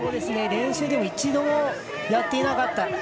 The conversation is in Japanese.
練習でも一度もやっていなかった。